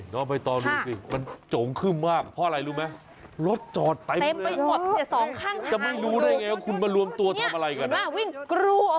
นี่น้องไปตอบดูสิมันโจงขึ้นมาก